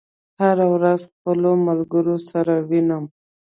هره ورځ خپلو ملګرو سره وینم